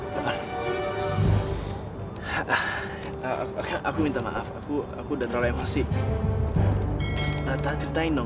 sampai jumpa di video selanjutnya